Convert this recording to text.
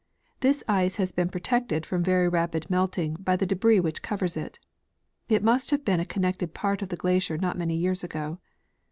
This ice has been protected from very rapid melting bv the delu'is which covers it. It must have been a connected jjart of the glacier not many years ago.